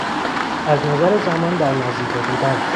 از نظر زمان در مضیقه بودن